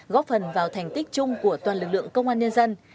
góp phần vào thành tích chung của toàn lực lượng công an nhân dân